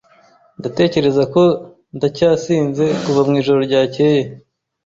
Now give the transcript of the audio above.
Ndatekereza ko ndacyasinze kuva mwijoro ryakeye.